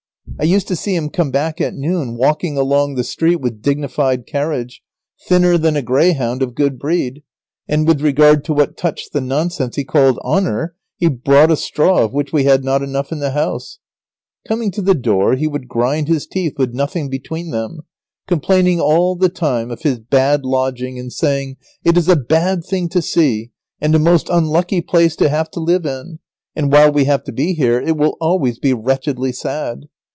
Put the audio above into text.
I used to see him come back at noon, walking along the street with dignified carriage, thinner than a greyhound of good breed, and with regard to what touched the nonsense he called honour, he brought a straw of which we had not enough in the house. [Sidenote: Master and boy in a miserable and starving condition.] Coming to the door he would grind his teeth with nothing between them, complaining all the time of his bad lodging and saying: "It is a bad thing to see, and a most unlucky place to have to live in, and while we have to be here it will always be wretchedly sad.